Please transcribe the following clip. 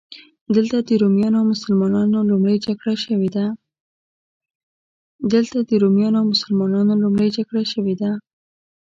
دلته د رومیانو او مسلمانانو لومړۍ جګړه شوې ده.